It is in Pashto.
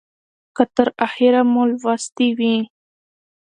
که تر اخیره مو لوستې وي